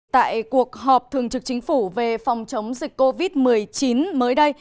tại cuộc họp thường trực chính phủ về phòng chống dịch covid một mươi chín mới đây